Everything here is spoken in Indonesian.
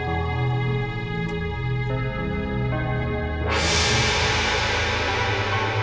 aku berakhir sampai kawan kwilang